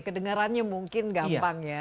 kedengerannya mungkin gampang ya